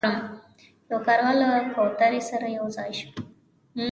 یو کارغه له کوترو سره یو ځای شو.